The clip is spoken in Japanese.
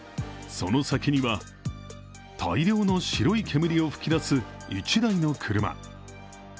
その先には大量の白い煙を噴き出す１台の車。